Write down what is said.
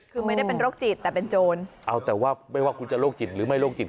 คือไม่ได้เป็นโรคจิตแต่เป็นโจรเอาแต่ว่าไม่ว่าคุณจะโรคจิตหรือไม่โรคจิต